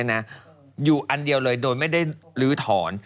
อยู่อันเดียวเลยโดยไม่ได้ลื้อถอน